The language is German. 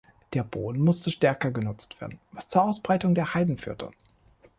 Der Boden musste stärker genutzt werden, was zur Ausbreitung der Heiden führte.